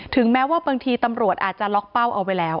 แม้ว่าบางทีตำรวจอาจจะล็อกเป้าเอาไว้แล้ว